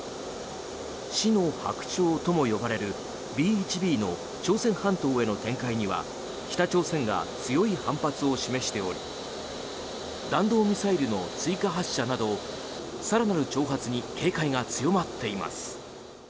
死の白鳥とも呼ばれるＢ１Ｂの朝鮮半島への展開には北朝鮮が強い反発を示しており弾道ミサイルの追加発射など更なる挑発に警戒が強まっています。